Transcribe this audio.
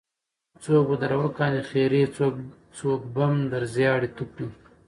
څوک به در وکاندې خیرې څوک بم در زیاړې توه کړي.